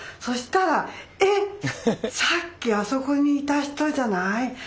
そしたら「えっ！さっきあそこにいた人じゃない？」。